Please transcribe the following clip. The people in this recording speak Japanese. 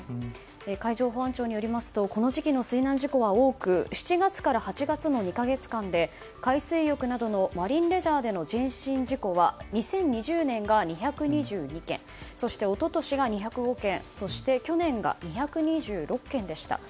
海上保安庁によりますとこの時期の水難事故は多く７月から８月の２か月間で海水浴などのマリンレジャーでの人身事故は２０２０年が２２２件そして、一昨年が２０５件去年が２２６件でした。